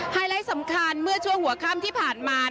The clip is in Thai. ไลท์สำคัญเมื่อช่วงหัวค่ำที่ผ่านมา